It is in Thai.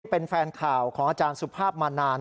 เป็นแฟนข่าวของอาจารย์สุภาพมานาน